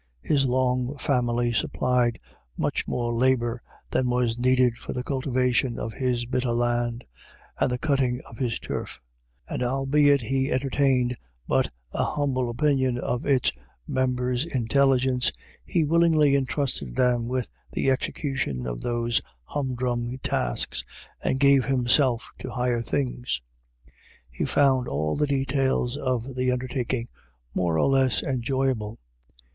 His long family supplied much more labour than was needed for the cultivation of his bit o' land and the cutting of his turf ; and albeit he entertained but an humble opinion of its members' intelligence, he willingly entrusted them with the execution of those humdrum tasks, and gave himself to higher things. He found all the details of the undertaking more or less enjoyable.